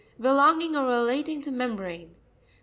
—Belonging or relat ing to membrane.